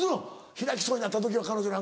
開きそうになった時は彼女なんか。